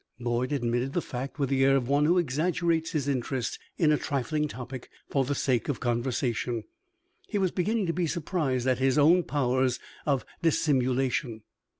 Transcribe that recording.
Boyd admitted the fact, with the air of one who exaggerates his interest in a trifling topic for the sake of conversation. He was beginning to be surprised at his own powers of dissimulation.